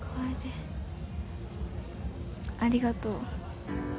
楓ありがとう。